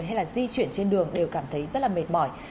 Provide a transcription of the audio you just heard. hay là di chuyển trên đường đều cảm thấy rất là mệt mỏi